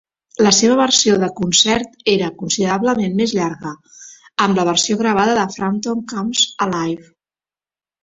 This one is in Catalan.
La seva versió de concert era considerablement més llarga, amb la versió gravada de Frampton Comes Alive!